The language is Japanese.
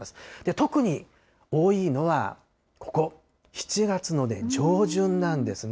特に多いのは、ここ、７月の上旬なんですね。